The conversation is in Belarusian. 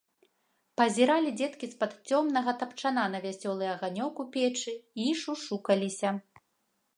Пазіралі дзеткі з-пад цёмнага тапчана на вясёлы аганёк у печы і шушукаліся.